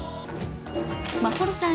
眞秀さん